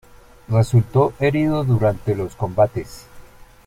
Resultó herido durante los combates.